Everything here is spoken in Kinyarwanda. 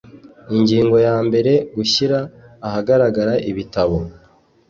ingingo yambere gushyira ahagaragara ibitabo